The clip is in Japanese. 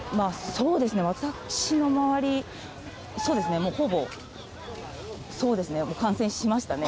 そうですね、私の周り、そうですね、もうほぼそうですね、感染しましたね。